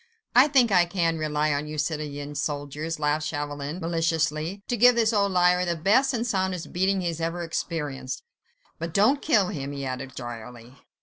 "I think I can rely on you, citoyen soldiers," laughed Chauvelin, maliciously, "to give this old liar the best and soundest beating he has ever experienced. But don't kill him," he added drily.